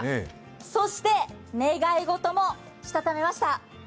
そして願い事もしたためました。